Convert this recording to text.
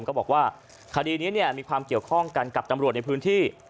ก็บอกว่าคดีนี้มีความเกี่ยวข้องกันกับตำรวจในพื้นที่